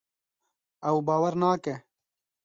Ew bawer nake.